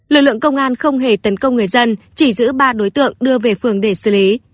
lực lượng công an không hề tấn công người dân chỉ giữ ba đối tượng đưa về phường để xử lý